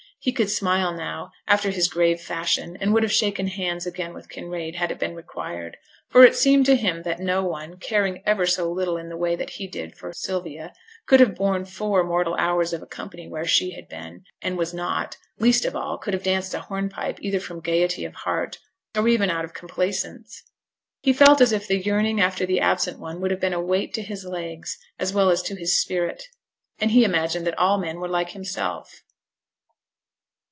He could smile now, after his grave fashion, and would have shaken hands again with Kinraid had it been required; for it seemed to him that no one, caring ever so little in the way that he did for Sylvia, could have borne four mortal hours of a company where she had been, and was not; least of all could have danced a hornpipe, either from gaiety of heart, or even out of complaisance. He felt as if the yearning after the absent one would have been a weight to his legs, as well as to his spirit; and he imagined that all men were like himself.